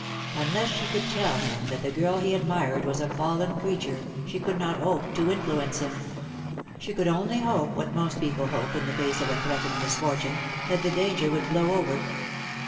Unless she could tell DEAD LOVE HAS CHAINS. 1 53 him that the girl he admired was a fallen creature she could not hope to influence him. She could only hope what most people hope in the face of a threatened misfortune, that the danger would blow over.